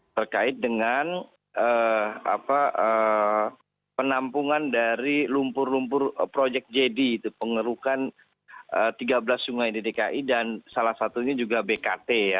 berkait dengan penampungan dari lumpur lumpur proyek jd pengerukan tiga belas sungai dki dan salah satunya juga bkt ya